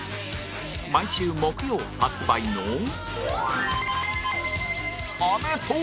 毎週木曜発売の